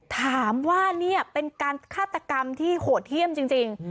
ถามว่านี่เป็นการฆาตกรรมที่โหดเยี่ยมจริง